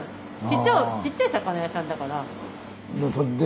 ちっちゃい魚屋さんだから。